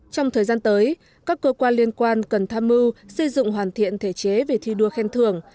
trong thời gian tới các cơ quan liên quan cần tham mưu xây dựng hoàn thiện thể chế về thi đua khen thưởng